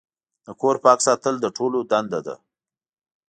د کور پاک ساتل د ټولو دنده ده.